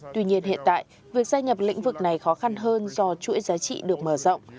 tuy nhiên hiện tại việc gia nhập lĩnh vực này khó khăn hơn do chuỗi giá trị được mở rộng